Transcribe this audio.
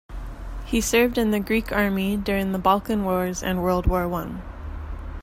He served in the Greek army during the Balkan Wars and World War One.